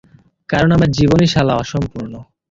কারণ আমার জীবনই শালা অসম্পূর্ণ!